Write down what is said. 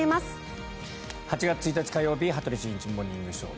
８月１日、火曜日「羽鳥慎一モーニングショー」。